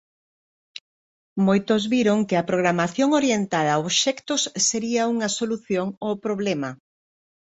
Moitos viron que a programación orientada obxectos sería unha solución ó problema.